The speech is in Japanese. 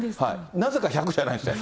なぜか１００じゃないんですって。